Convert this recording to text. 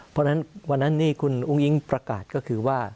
เพราะฉะนั้นวันนั้นนี่คุณอุ้งอิ๊งประกาศก็คือว่า